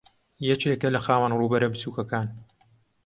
یەکێکە لە خاوەن ڕووبەرە بچووکەکان